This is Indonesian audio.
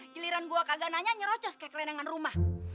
giliran gue kagak nanya nyerocos kayak keren dengan rumah